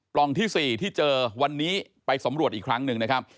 ร่องที่๔ที่เจอวันนี้ไปสำรวจอีกครั้งหนึ่งนะครับ